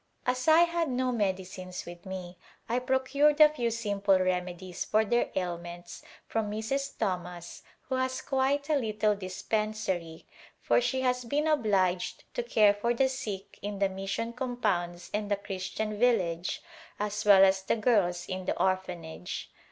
As I had no medicines with me I procured a few simple reme dies for their ailments from Mrs. Thomas who has quite a little dispensary for she has been obliged to care for the sick in the mission compounds and the Christian village as well as the girls in the Orphanage.